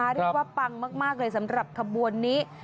เรียกว่าปังมากเลยสำหรับขบวนนี้